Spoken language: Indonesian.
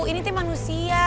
ini tuh manusia